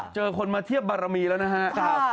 เจอคนมาเทียบบารมีแล้วนะครับ